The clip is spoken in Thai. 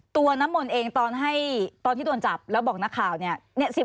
น้ำมนต์เองตอนที่โดนจับแล้วบอกนักข่าวเนี่ย